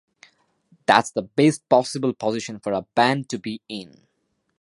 That's the best possible position for a band to be in.